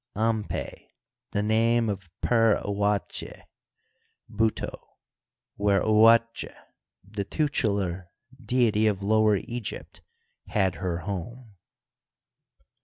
Ampeh, the name of Per Ouatj {Buto), where Ouatj, the tutelar deity of Lower Eg}'pt, had her home.